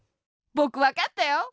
ぼくわかったよ。